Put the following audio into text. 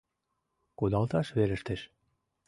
Кудалташ верештеш.